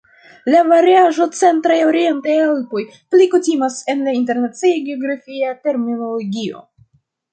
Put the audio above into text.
La variaĵo "Centraj Orientaj Alpoj" pli kutimas en la internacia geografia terminologio.